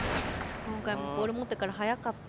今回もボール持ってから早かった。